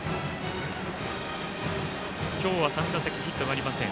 今日は３打席ヒットがありません。